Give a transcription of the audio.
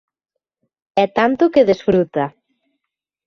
E tanto que desfruta.